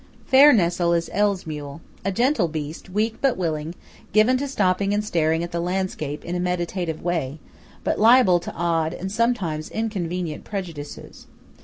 Fair Nessol is L.'s mule–a gentle beast, weak but willing; given to stopping and staring at the landscape in a meditative way; but liable to odd and sometimes inconvenient prejudices.